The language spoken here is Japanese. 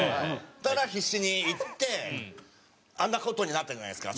だから必死に言ってあんな事になったじゃないですか。